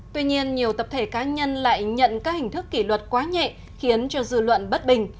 tuy nhiên nhiều tập thể cá nhân lại nhận các hình thức kỷ luật quá nhẹ khiến cho dư luận bất bình